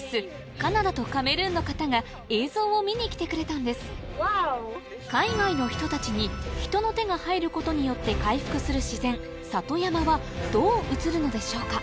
カナダとカメルーンの方が映像を見にきてくれたんです海外の人たちに人の手が入ることによって回復する自然里山はどう映るのでしょうか？